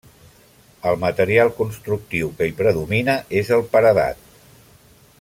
El material constructiu que hi predomina és el paredat.